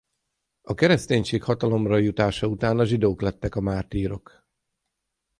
A kereszténység hatalomra jutása után a zsidók lettek a mártírok.